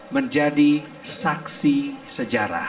menjadi saksi sejarah